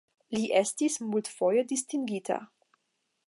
Li estis multfoje distingita.